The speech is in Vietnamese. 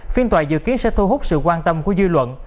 phiên tòa dự kiến sẽ thu hút sự quan tâm của dư luận